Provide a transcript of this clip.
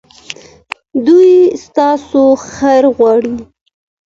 دوی ستاسو خیر غواړي.